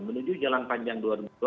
menuju jalan panjang dua ribu dua puluh